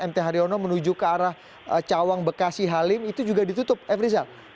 mt hariono menuju ke arah cawang bekasi halim itu juga ditutup efri zal